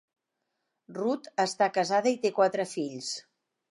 Ruth està casada i té quatre fills.